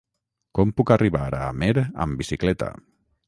Com puc arribar a Amer amb bicicleta?